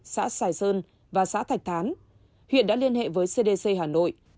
xã sài sơn và xã thạch thán huyện đã liên hệ với cdc hà nội